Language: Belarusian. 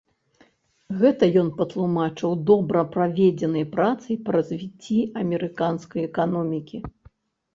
Гэта ён патлумачыў добра праведзенай працай па развіцці амерыканскай эканомікі.